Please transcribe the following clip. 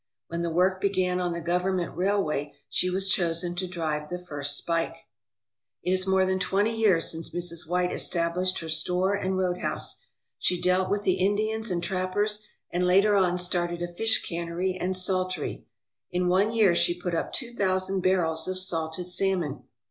When the work began on the government railway she was chosen to drive the first spike. It is more than twenty years since Mrs. White estab lished her store and roadhouse. She dealt with the Indians and trappers, and later on started a fish cannery and saltery. In one year she put up two thousand barrels of salted salmon.